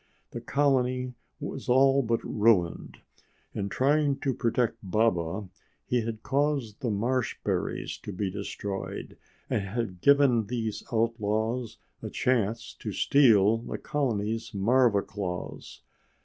The colony was all but ruined. In trying to protect Baba he had caused the marshberries to be destroyed and had given these outlaws a chance to steal the colony's marva claws.